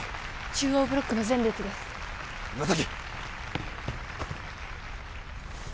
中央ブロックの前列です岩崎！